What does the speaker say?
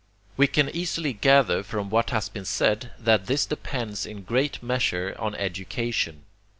We can easily gather from what has been said, that this depends in great measure on education.